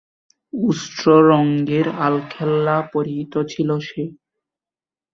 উষ্ট্র রঙ্গের আলখেল্লা পরিহিত ছিল সে।